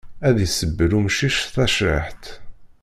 Ad isebbel umcic tacriḥt.